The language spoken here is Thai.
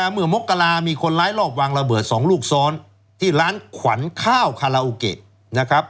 เมื่อมกรามีคนร้ายรอบวางระเบิด๒ลูกซ้อนที่ร้านขวัญข้าวคาราโอเกะนะครับ